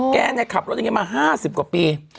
แกขับรถมา๕๐กว่าปี